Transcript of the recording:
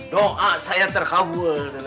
doa saya terkabur